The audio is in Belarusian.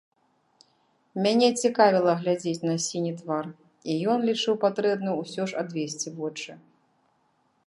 Мяне цікавіла глядзець на сіні твар, і ён лічыў патрэбным усё ж адвесці вочы.